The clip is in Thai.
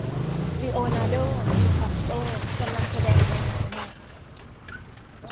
ลีโอนาโด้ดีคาปริโอ้กำลังแสดงในหนังใหม่